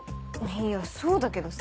いやそうだけどさ。